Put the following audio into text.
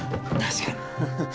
確かに！